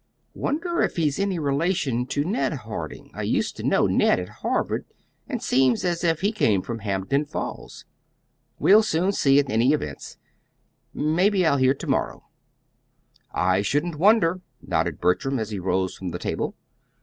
Wonder if he's any relation to Ned Harding. I used to know Ned at Harvard, and seems as if he came from Hampden Falls. We'll soon see, at all events. Maybe I'll hear to morrow." "I shouldn't wonder," nodded Bertram, as he rose from the table.